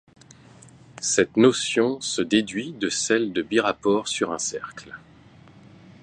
Cette notion se déduit de celle de birapport sur un cercle.